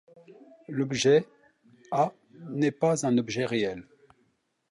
L'objet a n'est pas un objet réel.